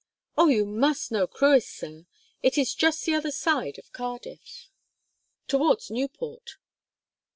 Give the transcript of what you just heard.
'Oh, you must know Crwys, sir; it's just the other side of Cardiff, towards Newport.'